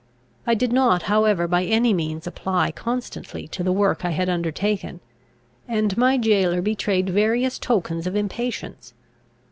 I did not however by any means apply constantly to the work I had undertaken, and my jailor betrayed various tokens of impatience.